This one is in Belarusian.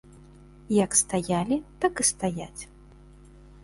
Як стаялі, так і стаяць.